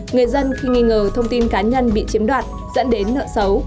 người dân khi nghi ngờ thông tin cá nhân bị chiếm đoạt dẫn đến nợ xấu